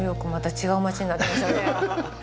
違う街になってましたね。